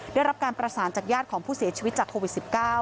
ได้รับการประสานจากญาติของผู้เสียชีวิตจากโควิด๑๙